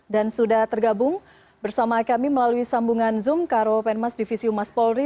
dan sudah tergabung bersama kami melalui sambungan zoom karo penmas divisi umas polri